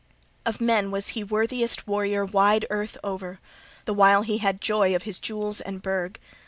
Of men was he worthiest warrior wide earth o'er the while he had joy of his jewels and burg.